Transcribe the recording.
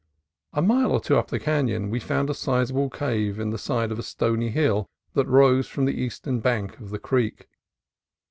A mile or two up the canon we found a sizable cave in the side of a stony hill that rose from the eastern bank of the creek.